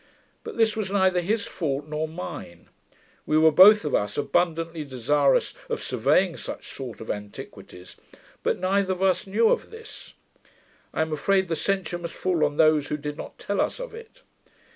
But this was neither his fault nor mine. We were both of us abundantly desirous of surveying such sort of antiquities: but neither of us knew of this. I am afraid the censure must fall on those who did not tell us of it.